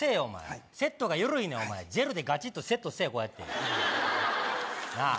はいセットが緩いねんお前ジェルでガチっとセットせえこうやってなあ？